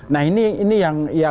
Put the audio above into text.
nah ini yang